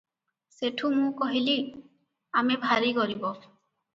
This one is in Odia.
ସେଠୁଁ ମୁଁ କହିଲି- "ଆମେ ଭାରୀ ଗରିବ ।